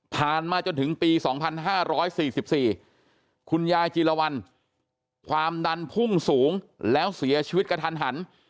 มาจนถึงปี๒๕๔๔คุณยายจีรวรรณความดันพุ่งสูงแล้วเสียชีวิตกระทันหัน